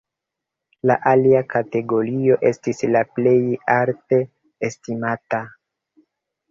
La alia kategorio estis la plej alte estimata.